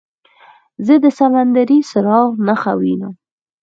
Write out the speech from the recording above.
زه د سمندري څراغ نښه وینم.